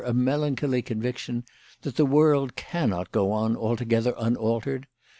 a melancholy conviction that the world cannot go on altogether unaltered.